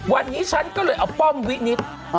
วันนี้ฉันก็เลยเอาป้อมวินิต